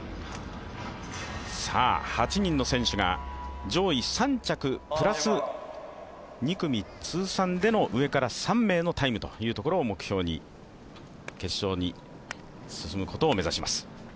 ８人の選手が上位３着プラス２組通算での上から３名のタイムというところを目標に決勝に進むことを目指します。